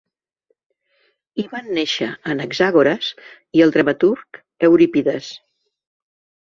Hi van néixer Anaxàgores, i el dramaturg Eurípides.